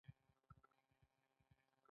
دا د حاکم دولتي هیئت لخوا ترسره کیږي.